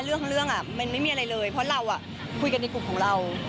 เรื่องมันไม่มีอะไรเลยเพราะเราคุยกันในกลุ่มของเรา